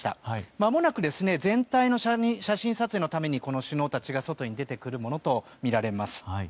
まもなく全体の写真撮影のために首脳たちが外に出てくるものとみられます。